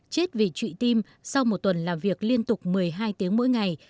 chết vì trụy tim sau một tuần làm việc liên tục một mươi hai tiếng mỗi ngày